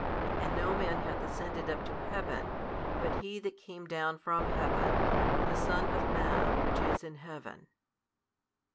And no man hath ascended up to heaven, but He that came down from heaven, the Son of man Which is in heaven.